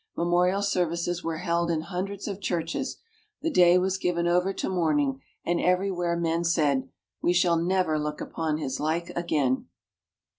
Memorial services were held in hundreds of churches, the day was given over to mourning, and everywhere men said, "We shall never look upon his like again."